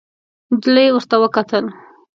نجلۍ ورته وکتل.